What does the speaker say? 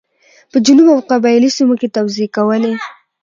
په جنوب او قبایلي سیمو کې توزېع کولې.